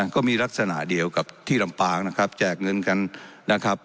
ก็มีลักษณะเดียวกับที่ลำปางนะครับแจกเงินกันนะครับ